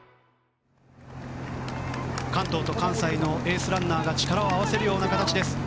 関東と関西のエースランナーが力を合わせるような形です。